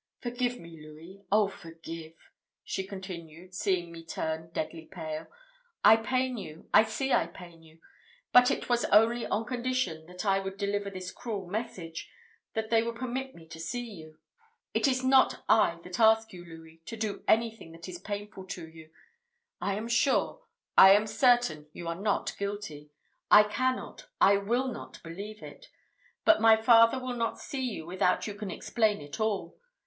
Forgive me, Louis! oh, forgive!" she continued, seeing me turn deadly pale: "I pain you, I see I pain you; but it was only on condition that I would deliver this cruel message, that they would permit me to see you. It is not I that ask you, Louis, to do anything that is painful to you. I am sure I am certain, you are not guilty. I cannot I will not believe it. But my father will not see you without you can explain it all.